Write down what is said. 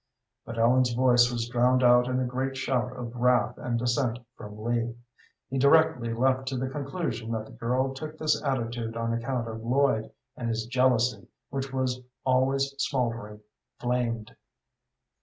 But Ellen's voice was drowned out in a great shout of wrath and dissent from Lee. He directly leaped to the conclusion that the girl took this attitude on account of Lloyd, and his jealousy, which was always smouldering, flamed.